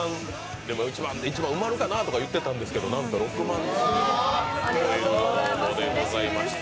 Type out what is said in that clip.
でも、１万埋まるかなと言っていたんですけど、なんと６万通を超える応募でございました。